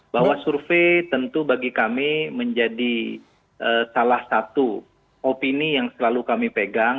bahwa survei tentu bagi kami menjadi salah satu opini yang selalu kami pegang